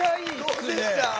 どうでした？